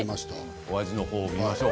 お味のほうを見ましょう。